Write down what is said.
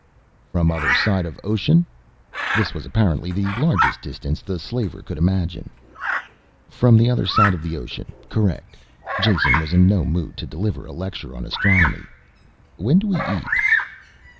"From other side of ocean?" This was apparently the largest distance the slaver could imagine. "From the other side of the ocean, correct." Jason was in no mood to deliver a lecture on astronomy. "When do we eat?"